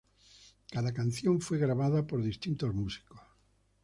Cada canción fue grabada por distintos músicos.